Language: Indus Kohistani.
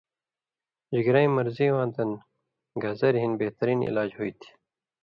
جگرَیں مرضی واں دن گازریۡ ہِن بہتہۡرین علاج ہُوئ تھی